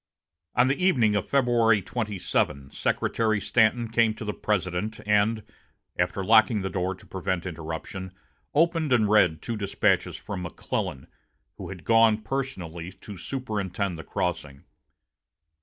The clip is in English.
On the evening of February 27, Secretary Stanton came to the President, and, after locking the door to prevent interruption, opened and read two despatches from McClellan, who had gone personally to superintend the crossing.